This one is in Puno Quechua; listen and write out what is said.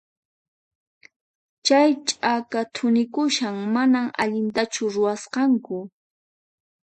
Chay chaka thunikushan, manan allintachu ruwasqaku.